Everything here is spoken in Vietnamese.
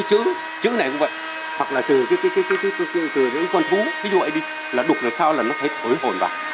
chú ơi chú đang làm gì đấy ạ